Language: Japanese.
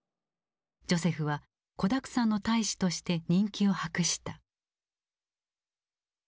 ジョセフは子だくさんの大使として人気を博した。